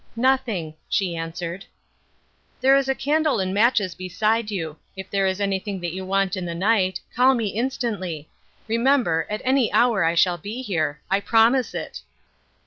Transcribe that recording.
"Nothing," she answered. "There is a candle and matches beside you. If there is anything that you want in the night, call me instantly. Remember, at any hour I shall be here. I promise it."